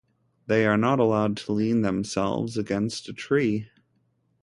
They are not allowed to lean themselves against a tree.